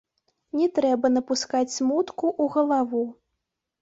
Не трэба напускаць смутку ў галаву.